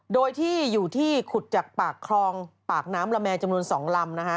โดยที่อยู่ที่ขุดจากปากคลองปากน้ำละแมจำนวน๒ลำนะฮะ